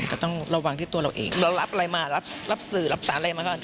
ก็ต้องระวังที่ตัวเราเองเรารับอะไรมารับสื่อรับสารอะไรมาก่อน